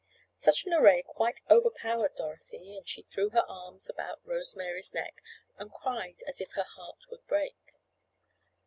Such an array quite overpowered Dorothy and she threw her arms about Rose Mary's neck and cried as if her heart would break.